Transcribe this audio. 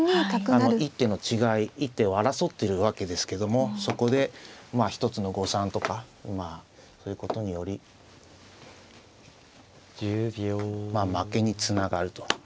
一手の違い一手を争ってるわけですけどもそこでまあ一つの誤算とかそういうことによりまあ負けにつながると。